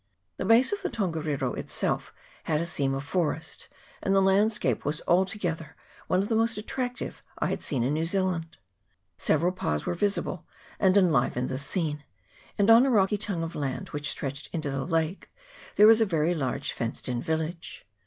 The base of the Tongariro itself had a seam of forest, and the landscape was altogether one of the most attractive I had seen in New Zealand. Seve ral pas were visible, and enlivened the scene, and on a rocky tongue of land, which stretched into the lake, there was a very large fenced in village.